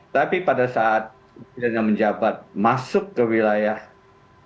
tapi pada saat dia menjabat masuk ke wilayah